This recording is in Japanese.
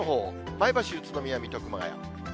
前橋、宇都宮、水戸、熊谷。